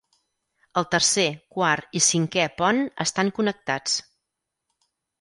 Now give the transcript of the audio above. El tercer, quart i cinquè pont estan connectats.